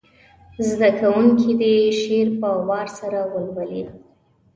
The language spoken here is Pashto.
زده کوونکي دې شعر په وار سره ولولي.